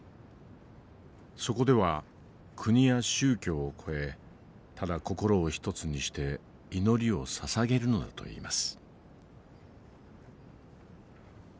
そこでは国や宗教を超えただ心を一つにして祈りをささげるのだといいます。